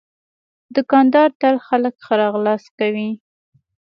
دوکاندار تل خلک ښه راغلاست کوي.